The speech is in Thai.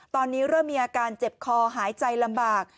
ตอนนี้เริ่มมีอาการเจ็บคอหายใจลำบาก